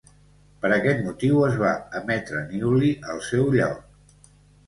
Per aquest motiu, es va emetre Newley al seu lloc.